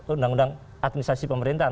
undang undang administrasi pemerintahan